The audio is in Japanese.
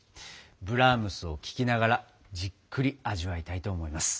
ブラームスを聴きながらじっくり味わいたいと思います。